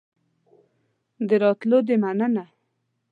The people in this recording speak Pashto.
د راتلو دي مننه